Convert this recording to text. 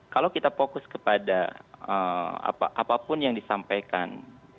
kalau kita fokus kepada apapun yang disampaikan